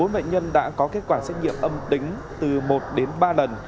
một mươi bốn bệnh nhân đã có kết quả xét nghiệm âm tính từ một đến ba lần